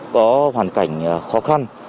có hoàn cảnh khó khăn